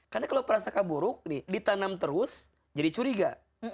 karena kalau perasangka buruk nih ditanam terus jadi curiga